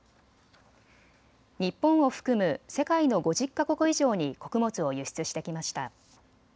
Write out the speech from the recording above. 日本を含む世界の５０か国以上に穀物を輸出してきました。